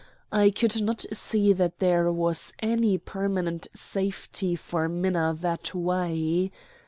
I could not see that there was any permanent safety for Minna that way.